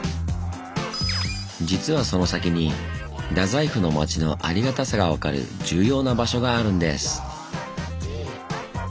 実はその先に太宰府の街のありがたさが分かる重要な場所があるんです。